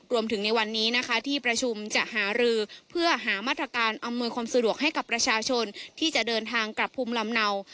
ในวันนี้นะคะที่ประชุมจะหารือเพื่อหามาตรการอำนวยความสะดวกให้กับประชาชนที่จะเดินทางกลับภูมิลำเนา